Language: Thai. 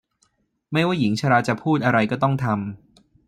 ไม่ว่าหญิงชราจะพูดอะไรก็ต้องทำ